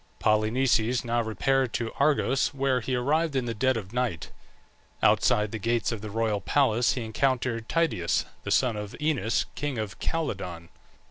Polynices now repaired to Argos, where he arrived in the dead of night. Outside the gates of the royal palace he encountered Tydeus, the son of Oeneus, king of Calydon.